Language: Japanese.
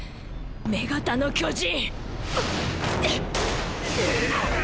女型の巨人。